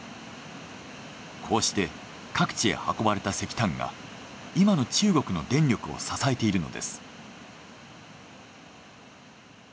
こうして各地へ運ばれた石炭が今の中国の電力を支えているのです。